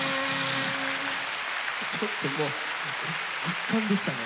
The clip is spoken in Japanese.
ちょっともう圧巻でしたね。